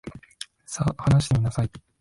さ、話してみなさい。